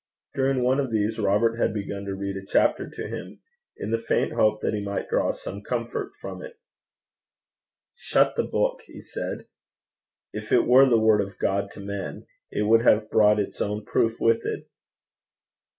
During one of these Robert had begun to read a chapter to him, in the faint hope that he might draw some comfort from it. 'Shut the book,' he said. 'If it were the word of God to men, it would have brought its own proof with it.'